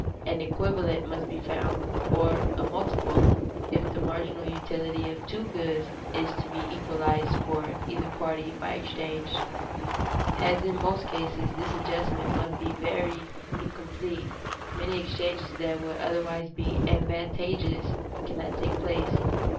An equivalent must be found, or a multiple, if the marginal utility of two goods is to be equalized for either party by exchange. As in most cases this adjustment must be very incomplete, many exchanges that otherwise would be advantageous cannot take place.